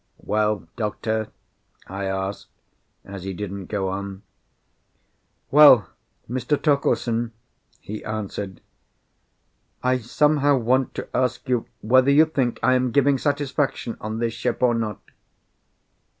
"Well, doctor?" I asked, as he didn't go on. "Well, Mr. Torkeldsen," he answered, "I somehow want to ask you whether you think I am giving satisfaction on this ship, or not?"